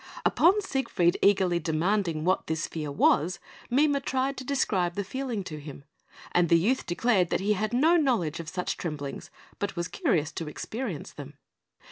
Upon Siegfried eagerly demanding what this fear was, Mime tried to describe the feeling to him; and the youth declared that he had no knowledge of such tremblings, but was curious to experience them.